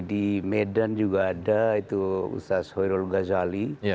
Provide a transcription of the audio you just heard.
di medan juga ada itu ustaz hoirul ghazali